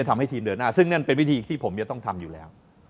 ทำให้ทีมเดินหน้าซึ่งนั่นเป็นวิธีที่ผมจะต้องทำอยู่แล้ว